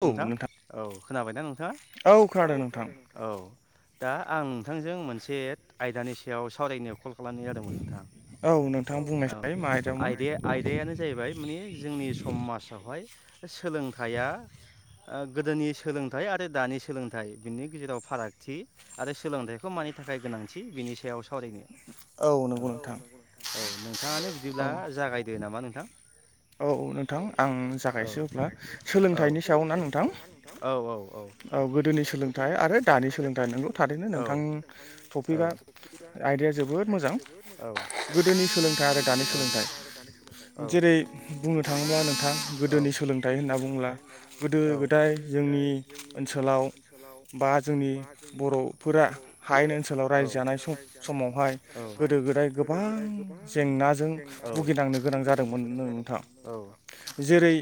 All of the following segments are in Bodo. औ नोंथां औ खोनाबायना नोंथाङा औ औ दा आं नोंथांजों मोनसे आयदानि सायाव सावरायनो कल खालामनाय जादोंमोन नोंथाङा औ आयदाया आयदायानो जाहैबाय माने जोंनि समाजावहाय सोलोंथाया ओ गोदोनि सोलोंथाइ आरो दानि सोलोंथाइ बिनि गेजेराव फारागथि आरो सोलोंथाइखौ मानि थाखाय गोनांथि बिनि सायाव सावरायनो औ औ नोंथाङानो बिदिब्ला जागायदो नामा नोंथां औ नोंथां आं जागायसै अब्ला सोलों औ सोलोंथाइनि सायाव ना नोंथां औ औ औ औ गोदोनि सोलोंथाइ आरो दानि सोलोंथाइ नो नोंथां टपिकआ आयदाया जोबोद मोजां गोदोनि सोलोंथाइ आरो दा नि सोलोंथाइ जेरै बुंनो थाङोब्ला नोंथाङा गोदोनि सोलोंथाइ होनना बुंला गोदो गोदाय जोंनि ओनसोलाव बा जोंनि बर' फोरा हायनो ओनसोलाव रायजो जानाय समावहाय गोदो गोदाय गोबां जेंना जेंसि भुगिनांनो गोनां जादोंमोनोंथां जेरै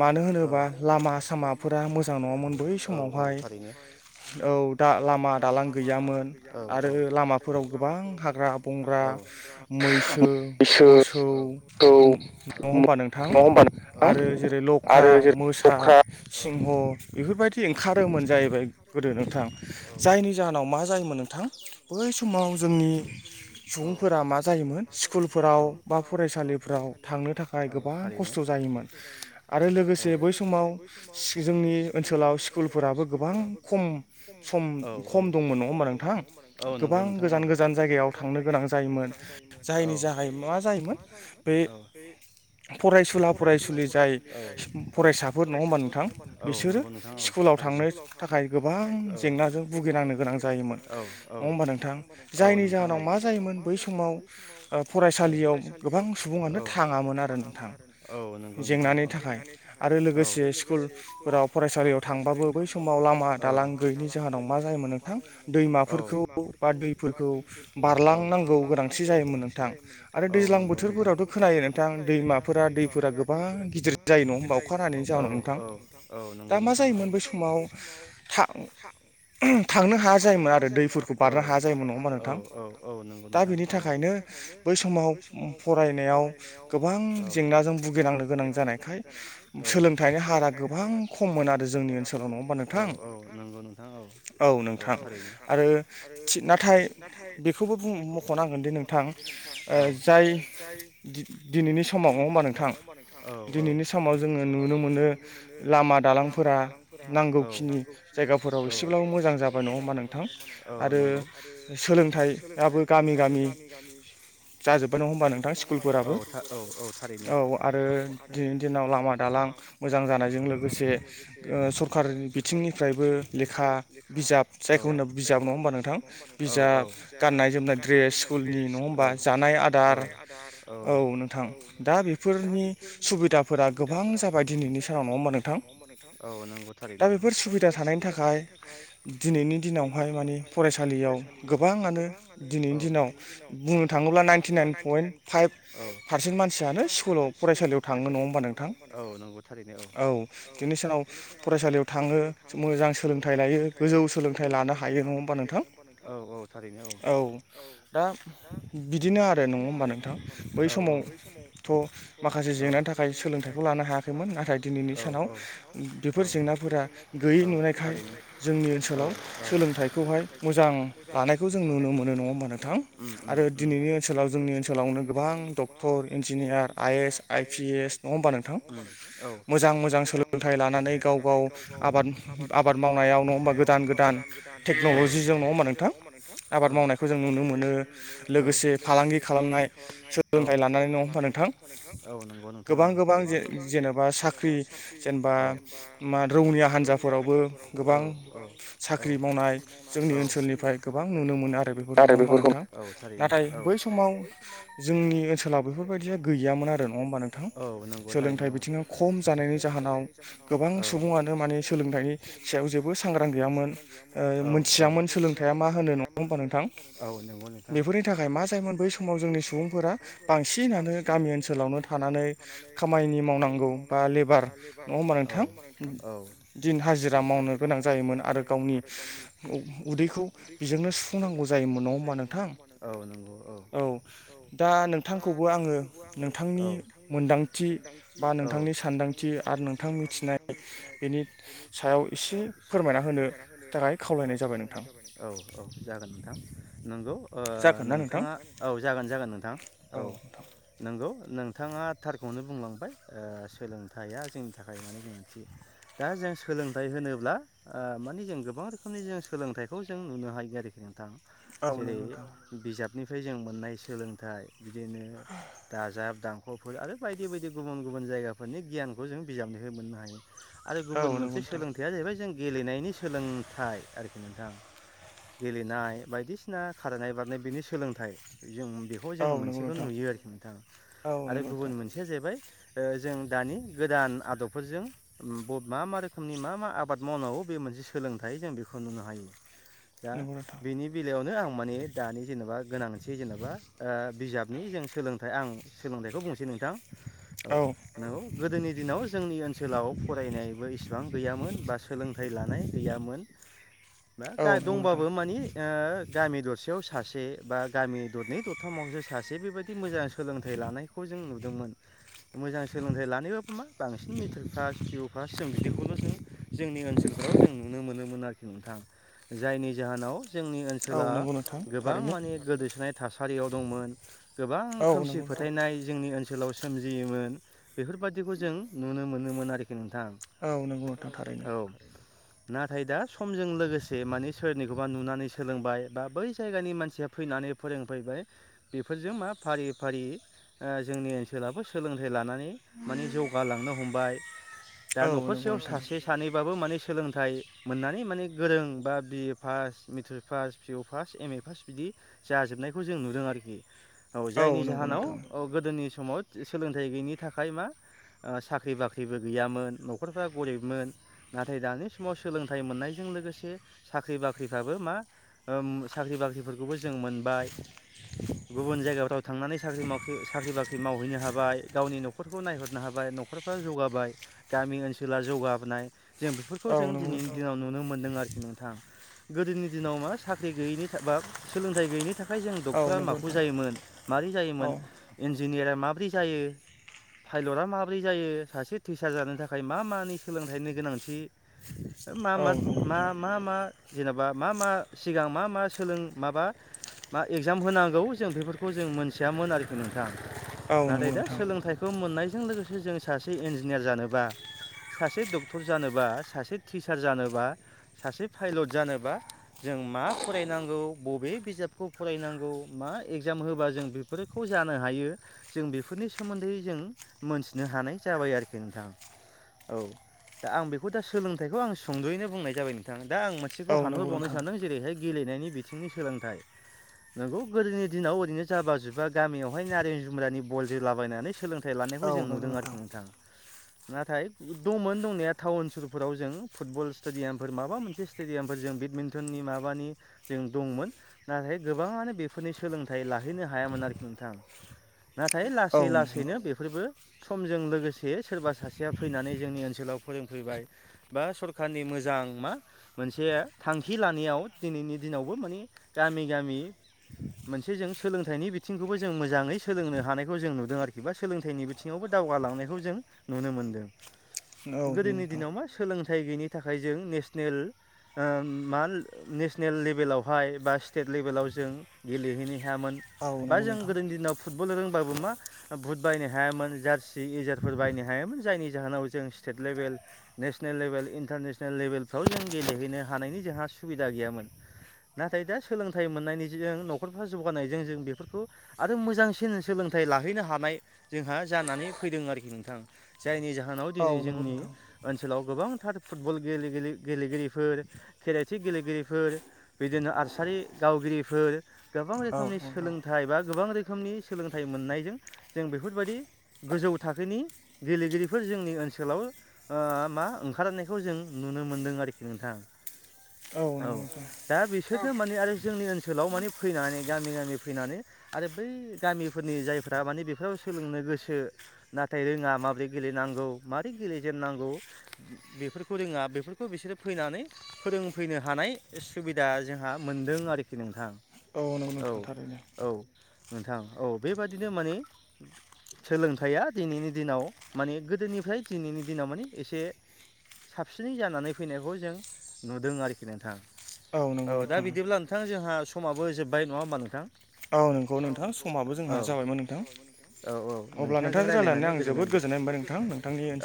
मानो मानो होनोबा लामा सामाफोरा मोजां नडा औ औ थारैनो औ दा लामा दालां गैयामोन आरो लामाफोराव गोबां हाग्रा बंग्रा मैसो मोसौ नङा हबा नोंथां आरो जेरै लक खख्रा मोसा सिंह बेफोर ओंखारोमोन जाहैबाय गोदो नोंथां जायनि जाहोनाव मा जायोमोन नोंथां बै समाव जोंनि सुबुंफोरा मा जायोमोन स्कुलफोरा व बा फरायसालिफ्राव थांनो थाखाय गोबां खस्थ' जायोमोन आरो लोगोसे बै समाव समाव जोंनि ओनसोलाव स्कुलफोराबो गोबां खम सम खम दंमोन नङा होमबा नोंथां। गोबां गोजान गोजान जायगायाव थांनो गोनां जायोमोन जायनि जा बै मा जायोमोन औ बे फरायसुला फरायसुलि जाय फरायसाफोर नङा होमबा नोंथां बिसोरो स्कुलाव थांनो थाखाय गोबां जेंनाजों भुगिनांनो गोनां जायोमोन नङा होमबा नोंथां जायनि जाहोनाव मा जायोमोन बै समाव फरायसालियाव गोबां सुबुङानो थाङामोन आरो औ नंगौ नोंथाङा जेंनानि थाखाय। आरो लोगोसे स्कुलफोराव फरायसालियाव थांबाबो बै समाव लामा दालां गैयैनि जाहोनाव मा जायोमोन नोंथां दैमाफोरखौ बा दै फोरखौ बारलांनांगौ गोनांथि जायोमोन नोंथां। आरो दैज्लां बोथोरफोरावथ' खोनायो नोंथां दैमाफोरा दैफोरा गोबां गिदिर जायो नङा होनबा अखा औ औ औ नंगौ नोंथाङा औ। मा जायोमोन बै समाव थांनो हाया जायोमोन आरो दैफोरखौ बारनो हाया जायोमोन नङा होमबा नोंथां। दा बेनि थाखायनो बै समाव फरायनायाव गोबां जेंनाजों भुगिनांनो गोनां जानायखाय सोलोंथाइनि हारा गोबां खममोन आरो खममोन आरो जोंनि ओनसोलाव। औ औ नंगौ नोंथाङा औ। औ नोंथां आरो नाथाय बेखौबो मख'नांगोनदि नोंथां जाय दिनैनि समाव होमबा नोंथां दिनैनि समाव जोङो नुनो मोनो लामा दालां फोरा नांगौखिनि जायगाफोराव एसेब्लाबो मोजां जाबाय नङा होमबा नोंथां आरो सोलोंथाइयाबो गामि गामि जाजोबबाय नङा हबा नों औ औ औ थारैनो औ औ आरो दिनैनि दिनाव दालां मोजां जानायजों लोगोसे सरकार बिथिंनिफ्रायबो लेखा बिजाब जायखौ होनो बिजाब नङा होमबा नोंथां। बिजाब गाननाय जोमनाय द्रेस स्कुलनि नङा होन बा जानाय आदार औ नोंथां दा बेफोरनि सुबिदाफोरा गोबां फोर गोबां जाबाय दिनैनि सानावङ होमबा नोंथां। औ नांगौ थारैनो औ दा बेफोर सुबिदा थानायनि थाखाय दिनैनि दिनावहाय मानि फराय गोबाङानो दिनैनि दिनाव बुंनो थाङोब्ला ninety nine point five percent मानसियानो स्कुलाव फरायसालियाव थांनो नङा होमबा नोंथां। औ नंगौ थारैनो औ औ बेनि सनाव फरायसालियाव थाङो मोजां सोलोंथाइ लायो गोजौ सोलोंथाइ लानो हायो नङा हबा नोंथा औ दा बिदिनो आरो नङा होमबा नोंथां बै समावथ' माखासे जेंनानि थाखाय सोलोंथाइ खौ लानो हायाखैमोन नाथाय दिनैनि सानाव बेफोर जेंनाफोरा गैयै नुनायखाय जोंनि ओनसोलाव सोलोंथाइखौहाय मोजां लानायखौ जों नुनो मोनो नङा होमबा नोंथां। आरो दिनैनि ओनसोलाव जोंनि ओनसोलावनो गोबां doctor engineer I S I P S नङाबा नोंथां मोजां मोजां सोलोंथाइ ला नानै गाव गाव आब आबाद मावनायावङा गोदान गोदान टेकनल'जिजों नङा होनबा नङा होनबा नोंथां आबाद मावनायखौ जों नुनो मोनो औ लोगोसे फालांगि खालामनाय औ सोलोंथाइ लानानै नङा होनबा नोंथां औ नंगौ नोंथा। गोबां जेनेबा साख्रि बा मा रौनिया हान्जाफोरावबो गोबां साख्रि मावनाय जोंनि ओनसोलनिफ्राय गोबां नुनो मोनो आरो बेफोरखौ नङा होनबा नोंथां नाथाय बै समाव जोंनि ओनसोलाव बेफोरबायदिया गैयामोन आरो नङा होमबा नोंथां नांगौ थारैनो सोलोंथाय बिथिङाव खम जानायनि जाहोनाव गोबां सुबुङानो माने सोलोंथाइनि सायाव जेबो सांग्रां गैयामोन मिथियामोन सोलोंथाइा मा होनो नङाहोमबा औ नोंथां बेफोरनि थाखाय मा जायोमोन बै समाव जोंनि सुबुंफोरा बांसिनानो गामि ओनसोलावनो थानानै खामानि मावनांगौ बा लेबार न' नोंथां दिन हाजिरा मावनो गोनां जायोमोन आरो गावनि उदै बेखौ बेजोंनो सुफुंनांगौ जायोमोन नङा होमबा नोंथां औ दा नोंथांखौबो आङो नोंथांनि मोनदांथि बा नोंथांनि सानदांथि आरो नोंथांनि मिथिनाय बेनि सायाव एसे फोरमायना होनो थाखाय खावलायनाय जाबाय नोंथां औ औ जागोन नोंथां नंगौ नोंथाङा औ जागोन जागोन नोंथां औ नंगौ नोंथाङा थारखौनो बुंलांबाय सोलोंथाइया जोंनि थाखाय माने गोनांथि दा जों सोलोंथाइ होनोब्ला मानि जों गोबां रोखोमनि जों सोलोंथाइ फिथाइखौ जों नुनो हायो आरोखि नोंथां जेरै बिजाबनिफ्राय जों मोननाय सोलोंथाइ बिदिनो दाजाब दानख'फोर आरो बायदि बायदि गुबुन गुबुन जायगाफोरनि गियानखौ जों बिजाबनिखौ मोननो हायो आरो गुबुन मोनसे सोलोंथाइया जाहैबाय जों गेलेनायनि सोलोंथाइ आरोखि नोंथां गेलेनाय बायदिसिना खारनाय बारनाय बिनि सोलोंथाइ जों बेखौ जों मोनसेखौ नुयो आरोखि नोंथां आरो गुबुन मोनसेया जाहैबाय जों दानि गोदान आदबफोरजों मा मा रोखोमनि मा मा आबाद मावनांगौ बे मोनसे सोलोंथाइ जों बेखौ नुनो हायो दा बेनि बेलायावनो आं माने दानि जेनेबा गोनांथि जेनेबा बिजाब जों सोलोंथाइ आं सोलोंथाइखौ बुंसै नोंथां औ नंगौ गोदोनि दिनाव जोंनि ओनसोलाव फरायनायबो इसेबां गैयामोन बा सोलोंथायाइ लानाय गैयामोन ना दंबाबो मानि गामि दरसेयाव सासे बा गामि दरनै दरथामावसो सासे बेबायदि मोजां सोलोंथाइ लानायखौ जों नुदोंमोन मोजां सोलोंथाइ लानायबाबो मा मेथरिक फास फिय' फास फार्स्ट जों बिदिखौल' जों जोंनि ओनसोलफोराव ' जों नुनो मोनोमोन आरोखि नोंथां जायनि जाहोनाव जोंनि ओनसोला गोबां मानि गोदोसोनाय थासारियाव दंमोन गोबां खोमसि फोथायनाय जोंनि ओनसोलाव सोमजियोमोन बेफोरबादिखौ जों नुनो मोनोमोन आरोखि नोंथां औ नाथाय दा समजों लोगोसे माने सोरनिखौबा नुनानै सोलोंबाय बा बै जायगानि मानसिया फैनानै फैनाय मा फोरोंफैबाय बेफोरजों मा फारि फारि जोंनि ओनसोलाावबो सोलोंथाइ लानानै माने जौगा गालांनो हमबाय दा न'खरसेयाव सासे सानैबाबो मान सोलोंथाइ मोननानै माने गोरों बा B A pass matric pass पिअ पास एम ए पास बिदि जाजोबनायखौ जों नुदों आरोखि औ जायनि जाहोनाव गोदोनि समाव सोलोंथाइ गैयिनि थाखाय मा साख्रि बाख्रिबो गैयामोन न'खरफ्रा गरिबमोन नाथाय दानि समाव सोलोंथाइ मोननायजों लोगोसे साख्रि बाख्रिफ्राबो मा साख्रि बाख्रिफोरखौबो जों मोनबाय गुबुन जायगाफ्राव थांनानै साख्रि माव साख्रि बाख्रि मावहैनो हाबाय गावनि न'खरखौ नायहरनो हाबाय जाबाय न'खरफ्रा जौगाबाय गामि ओनसोला जौगाबोनाय जों बेफोरखौ जों दिनैनि दिनाव नुनो मोन्दों आरोखि नोंथां गोदोनि दिनाव मा साख्रि गैयैनि बा सोलोंथाइ गैयैनि नि थाखाय जों डक्टरा माखौ जायोमोन मारै जायोन इन्जिनियारा माब्रै जायो फायलथा माब्रै माबोरै जायो सासे टिचार जानो थाखाय मा मानि सोलोंथाइनि गोनांथि मा मा मा मा मा जेनेबा मा मा सिगां मा मा सोलों माबा मा एग्जाम होनांगौ जों बेफोरखौ जों मोनथियामोन आरोखि नोंथां नाथाय दा सोलोंथाइखौ मोननायजों लोगोसे जों सासे इन्जिनियार जानोबा सासे डक्टर जानोबा सासे टिचार जानोबा सासे पाइलट जानोबा जों मा फरायनांगौ बबे बिजाबखौ फरायनांगौ मा एग्जाम होबा जों बेफोरखौ जानो हायो जों बेफोरनि सोमोन्दै जों मोनसे खनो हानाय जाबाय आरोखि नोंथां औ दा आं बेखौ दा सोलोंथाइखौ आं सुंद'यैनो बुंनाय जाबाय नोंथाङा दा आं मोनसेखौ हानहरबावनो सानदों जेरैहाय गेलेनायनि बिथिंनि सोलोंथाइ नोंगौ गोदोनि दिनाव ओरैनो जाबा जुबबा गामियावहाय नारें जुमब्रानि बल जलाबायनानै सोलोंथाइ लानानै सानायखौ जों नुदों आरोखि नोंथाङा नाथाय दंमोन दंनाया टाउन ओनसोलफोराव जों फुटबल स्टेडियामफोर माबा मोनसे स्टेडियामफोर जों बेडमिन्टननि माबानि जों दंमोन नाथाय गोबाङानो बेफोरनि सोलोंथाइ लाहैनो हायो हायामोन आरोखि नोंथां नाथाय लासै लासैनो बेफोरबो समजों लोगोसे सोरबा सासेया फैनानै जोंनि ओनसोलाव फोरोंफैबाय बा सरखारारनि मोजां मोजां मा मोनसे थांखि लानायाव दिनैनि दिनावबो मानिे गामि गामि मोनसे जों सोलोंथाइनि बिथिंखौबो जों मोजाङै सोलोंनो हानायखौ जों नुदों आरोखि बा सोलोंथाइनि बि बिथिङावबो दावगालांनायखौ जों नुनो मोनदों गोदोनि दिनाव मा सोलोंथाइ गैयिनि थाखाय जों नेसनेल ओ मा नेसनेल लेभेलावहाय बा स्टेट लेभेलाव जों गेलेहैनो हायामोन बा जों गोदोनि दिनाव फुटबल रोंबाबो मा भुट बायनो हायामोन जार्सि इजारफोर बायनो हायामोन जायनि जाहोनाव जों state level national level international लेभेलफ्राव जों गेलेहैनो हानायनि जोंहा सुबिदा गैयामोन नाथाय दा सोलोंथाइ मोननायनि ज न'खरफ्र्रा जौगानायजों जों बेफोरखौ आरो मोजांसिन सोलोंथाइ फ लाहैनो हानाय जोंहा जानानै फैदों आरोखि नोंथां जायनि जाहोनाव दिनै जोंनि ओनसोलाव गोबांथार फुटबल गेलेगिरिफोर खेराइथि गेलेगिरिफोर बिदिनो आरसा गावगिरिफोर गोबां रोखोमनि सोलोंथाइ बा गोबां रोखोमनि सोलोंथाइ मोननायजों जों बेफोरबायदि गोजौ थाखोनि गेलेगिरिफोर जोंनि ओनसोलाव मा ओंखारनायखौ जों नुो नुनो मोन्दों आरोखि नोंथां औ नंगौ दा बिसोरनो माने आरो जोंनि ओनसोलाव माने फैनानै गामि गामि फैनानै आरो बै गामिफोरनि जायफोरा माने बेफोराव सोलोंनो गोसो नाथाय रोङा माबोरै गेलेनांगौ माबारै गेलेजेननांगौ बेफोरखौ रोङा बेफोरखौ बिसोरो फैनानै फोरोंफैनो हानाय सुबिदा जोंहा मोनदों आरोखि नोंथां। ओ नंगौ थारैनो नोंथां औ बेबादिनो माने सोलोंथाइया दिनैनि दिनाव माने गोदोनिफ्राय दिनैनि दिनाव माने एसे साबसिनै जानानै फैनायखौ जों नुदों आरोखि नोंथां औ दा बिदिब्ला नोंथां जोंहा समाबो जोब्बाय नङा होमबा नोंथां औ नंगौ नोंथां औ समाबो जोंहा जाबायमोन नोंथां औ औ नोंथांजों रायज्लायनानै गोजोननाय मोनदों जोबोद गोजोननाय मोनबाय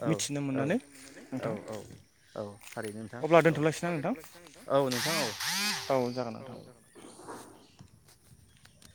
नोंथां औ औ। अनानै नोंथाङा औ थारैनो नोंथां औ औ नोंथां औ औ। उ [inaudible]